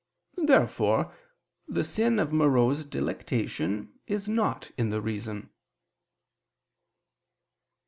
Therefore the sin of morose delectation is not in the reason.